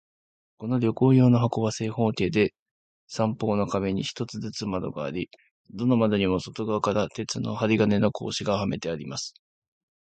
この旅行用の箱は、正方形で、三方の壁に一つずつ窓があり、どの窓にも外側から鉄の針金の格子がはめてあります。